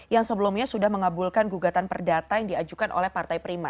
yang sebelumnya sudah mengabulkan gugatan perdata yang diajukan oleh partai prima